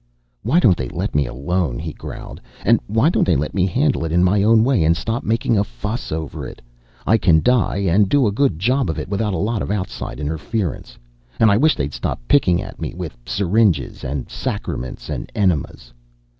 Why don't they let me alone? he growled. Why don't they let me handle it in my own way, and stop making a fuss over it? I can die and do a good job of it without a lot of outside interference, and I wish they'd quit picking at me with syringes and sacraments and enemas.